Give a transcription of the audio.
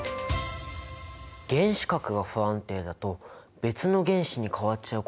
原子核が不安定だと別の原子に変わっちゃうこともあるのか。